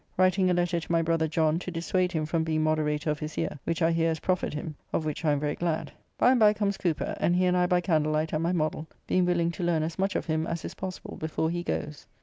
Writing a letter to my brother John to dissuade him from being Moderator of his year, which I hear is proffered him, of which I am very glad. By and by comes Cooper, and he and I by candlelight at my modell, being willing to learn as much of him as is possible before he goes.